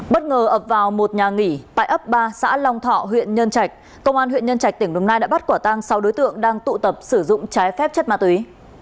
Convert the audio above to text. bất ngờ ập vào một nhà nghỉ tại ấp ba xã long thọ huyện nhân trạch công an huyện nhân trạch tỉnh đồng nai đã bắt quả tang sáu đối tượng đang tụ tập sử dụng trái phép chất ma túy